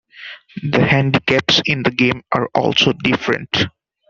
The handicaps in the game are also different.